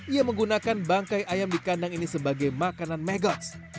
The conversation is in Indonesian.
ia menggunakan bangkai ayam di kandang ini sebagai makanan megas